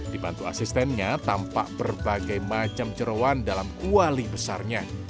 dipantau asistennya tampak berbagai macam cerawan dalam uali besarnya